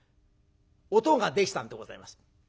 男ができたんでございます。